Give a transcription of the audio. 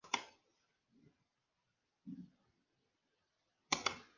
Falleció en trágicas circunstancias.